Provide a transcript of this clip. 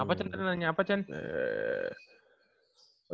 apa cen tanya apa cen